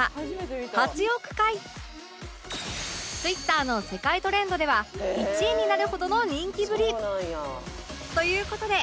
ＹｏｕＴｕｂｅ 公式動画のＴｗｉｔｔｅｒ の世界トレンドでは１位になるほどの人気ぶりという事で